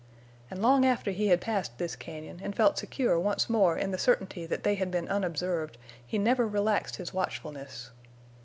And long after he had passed this cañon and felt secure once more in the certainty that they had been unobserved he never relaxed his watchfulness.